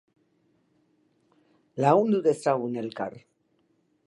Lagundu dezagun elkar.